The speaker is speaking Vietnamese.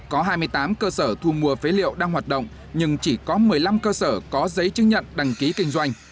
có hai mươi tám cơ sở thu mua phế liệu đang hoạt động nhưng chỉ có một mươi năm cơ sở có giấy chứng nhận đăng ký kinh doanh